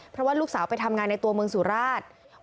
เพราะว่าลูกสาวไปทำงานในตัวเมืองสุราช